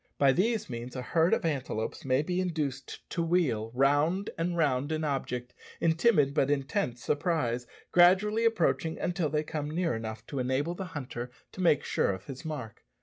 By these means a herd of antelopes may be induced to wheel round and round an object in timid but intense surprise, gradually approaching until they come near enough to enable the hunter to make sure of his mark.